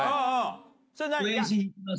応援しに行きます。